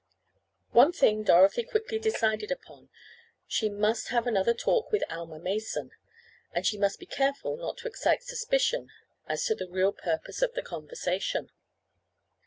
One thing Dorothy quickly decided upon. She must have another talk with Alma Mason, and she must be careful not to excite suspicion as to the real purpose of the conversation.